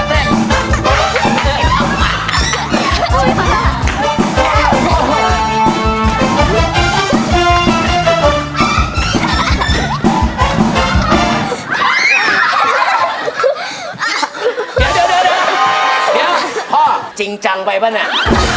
เดี๋ยวเดี๋ยวพ่อจริงจังไหมเนี่ย